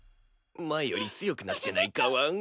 前より強くなってないかワン？